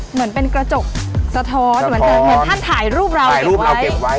เหมือนเป็นกระจกสะท้อนเหมือนท่านถ่ายรูปเราติดไว้